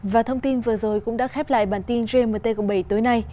và thông tin vừa rồi cũng đã khép lại bản tin gmt cộng bảy tối nay